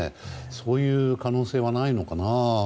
そういう可能性はないのかな。